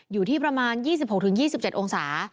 อยู่ที่ประมาณ๒๖๒๗องศา